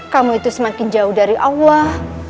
kamu itu semakin jauh dari allah